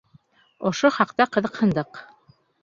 Ошо хаҡта ҡыҙыҡһындыҡ.